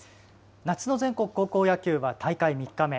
夏の全国高校野球は大会３日目。